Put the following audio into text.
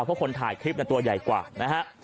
เพราะคนถ่ายคลิปตัวใหญ่กว่านะฮะ